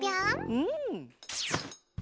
うん。